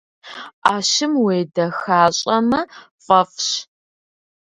Ӏэщым уедэхащӏэмэ фӏэфӏщ.